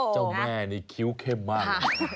เจ้าแม่นี่คิ้วเข้มมาก